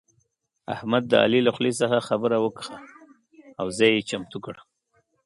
احمد د علي له خولې څخه خبره وکښه او ځای يې چمتو کړ.